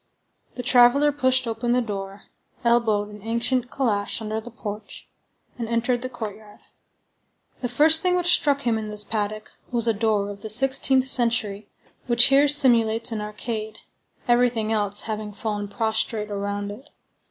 The traveller pushed open the door, elbowed an ancient calash under the porch, and entered the courtyard. The first thing which struck him in this paddock was a door of the sixteenth century, which here simulates an arcade, everything else having fallen prostrate around it.